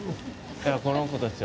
いや、この子たちが。